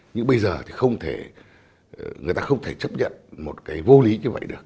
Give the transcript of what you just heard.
nhưng bây giờ thì không thể người ta không thể chấp nhận một cái vô lý như vậy được